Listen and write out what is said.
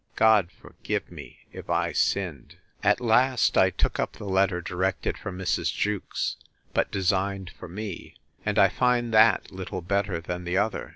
God forgive me, if I sinned! At last, I took up the letter directed for Mrs. Jewkes, but designed for me; and I find that little better than the other.